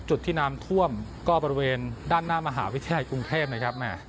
จุดที่น้ำท่วมก็บริเวณด้านหน้ามหาวิทยาลัยกรุงเทพนะครับ